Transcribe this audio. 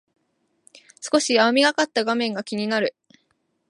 少し青みがかった画面が気になる